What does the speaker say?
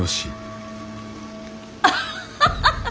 アッハハハ！